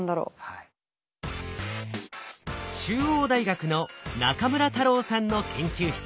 中央大学の中村太郎さんの研究室。